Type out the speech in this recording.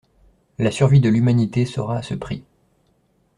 La survie de l’Humanité sera à ce prix.